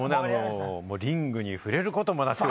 リングに触れることもなく。